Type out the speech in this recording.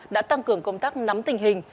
đã tăng cường công tác nắm tình hình